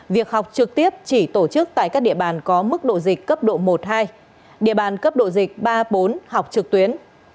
việc học trực tiếp chỉ tổ chức tại các địa bàn có mức độ dịch cấp độ một hai địa bàn cấp độ dịch ba bốn học trực tuyến